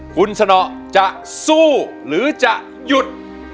คุณสนอจะสู้หรือจะหยุด